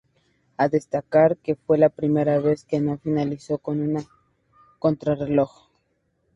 A destacar que fue la primera vez que no finalizó con una contrarreloj.